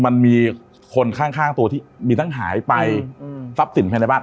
มันมีคนข้างข้างตัวที่มีทั้งหายไปอืมทรัพย์สินภายในบ้าน